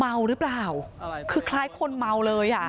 เมาหรือเปล่าคือคล้ายคนเมาเลยอ่ะ